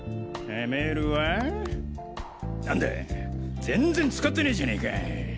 メールはなんだ全然使ってねじゃねか。